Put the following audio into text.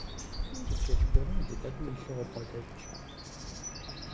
Тепщэч гуэрым лы тӀэкӀуи илъу къыбгъэдэтщ.